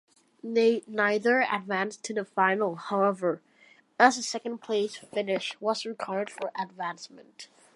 Neither advanced to the final, however, as a second-place finish was required for advancement.